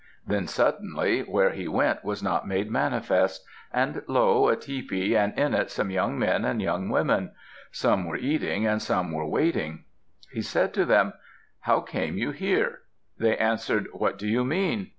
Then, suddenly, where he went was not made manifest. And lo! a tepee, and in it some young men and young women; some were eating, and some were waiting. He said to them, "How came you here?" They answered, "What do you mean?